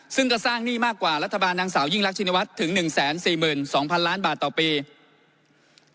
ซึ่งก็สร้างหนี้มากกว่ารัฐบาลนางสาวยิ่งรักชินวัฒน์ถึง๑๔๒๐๐๐ล้านบาทต่อปี